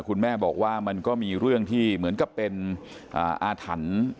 คุณแม่บอกว่ามันก็มีเรื่องที่เหมือนกับเป็นอาถรรพ์